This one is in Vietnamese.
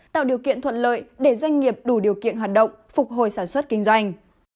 tạo điều kiện thuận lợi để doanh nghiệp đủ điều kiện hoạt động phục hồi sản xuất kinh doanh